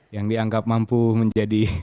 yang dianggap mampu menjadi